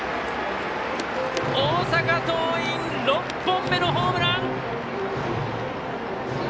大阪桐蔭、６本目のホームラン！